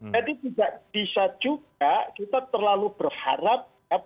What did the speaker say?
jadi tidak bisa juga kita terlalu berharap